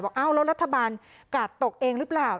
ด้วยว่าอ้าวแล้วรัฐบาลกาดตกเองหรือเปล่า